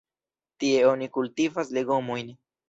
Tie oni kultivas legomojn.